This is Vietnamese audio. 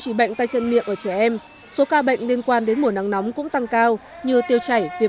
trong đó chủ yếu là bệnh tay chân miệng và tiêu chảy